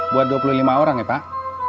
buat dua puluh lima orang ya pak